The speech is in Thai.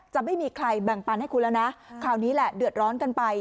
จะไม่มีใครแบ่งปันให้คุณแล้วนะคราวนี้แหละเดือดร้อนกันไป